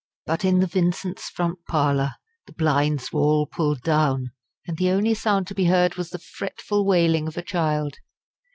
But in the Vincents' front parlour the blinds were all pulled down, and the only sound to be heard was the fretful wailing of a child.